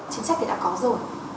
chính sách thì đã có rồi